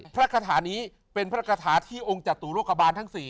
คาถานี้เป็นพระคาถาที่องค์จตุโรคบาลทั้ง๔